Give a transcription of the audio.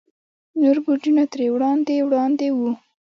نور برجونه ترې وړاندې وړاندې وو.